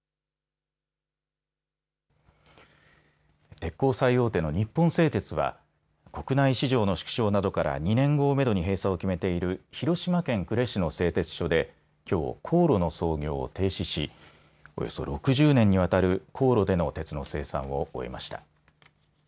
鉄鋼最大手の日本製鉄は国内市場の縮小などから２年後をめどに閉鎖を決めている広島県呉市の製鉄所できょう高炉の操業を停止し、およそ６０年にわたる高炉での鉄の生産を終えました。